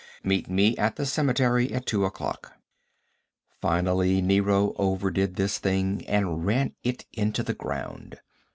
Meet me at the cemetery at 2 o'clock." Finally, Nero overdid this thing and ran it into the ground.